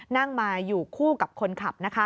นั่งมาอยู่คู่กับคนขับ